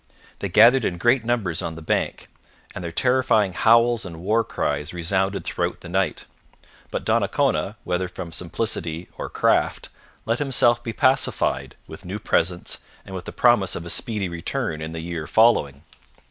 They gathered in great numbers on the bank, and their terrifying howls and war cries resounded throughout the night. But Donnacona, whether from simplicity or craft, let himself be pacified with new presents and with the promise of a speedy return in the year following.